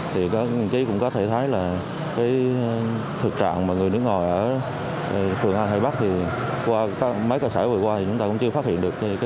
thì cũng có thể thấy là thực hiện